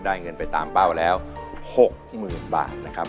ได้เงินไปตามเป้าแล้ว๖หมื่นบาทนะครับ